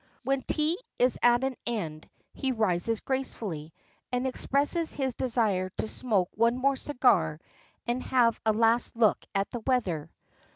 When tea is at an end, he rises gracefully, and expresses his desire to smoke one more cigar and have a last look at the weather.